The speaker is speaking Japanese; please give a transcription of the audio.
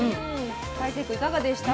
大聖君いかがでした？